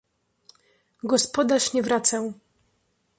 Gospodarz nie wracał.